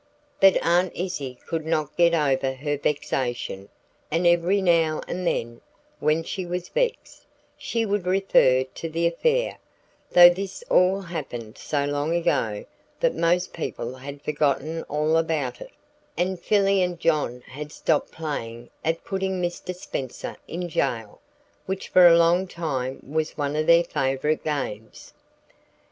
But Aunt Izzie could not get over her vexation, and every now and then, when she was vexed, she would refer to the affair, though this all happened so long ago that most people had forgotten all about it, and Philly and John had stopped playing at "Putting Mr. Spenser in Jail," which for a long time was one of their favorite games.